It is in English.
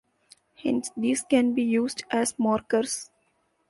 Hence these can be used as markers.